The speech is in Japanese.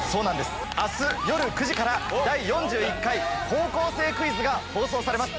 明日夜９時から『第４１回高校生クイズ』が放送されます。